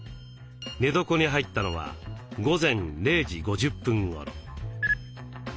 寝床に入ったのは午前０時５０分ごろ。